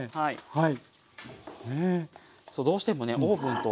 はい。